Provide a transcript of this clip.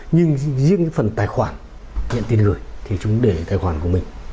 nhưng riêng phần tài khoản nhận tin gửi thì chúng để tài khoản của mình